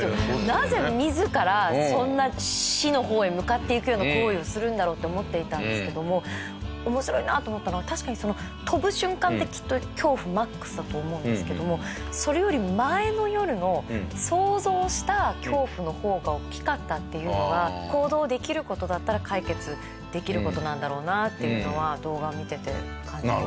なぜ自らそんな死の方へ向かっていくような行為をするんだろうって思っていたんですけども面白いなと思ったのは確かに飛ぶ瞬間ってきっと恐怖マックスだと思うんですけどもそれより前の夜の想像した恐怖の方が大きかったっていうのは行動できる事だったら解決できる事なんだろうなっていうのは動画を見てて感じました。